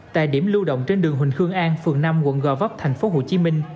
tại điểm lưu động trên đường huỳnh khương an phường năm quận gò vấp tp hcm